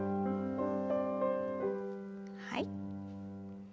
はい。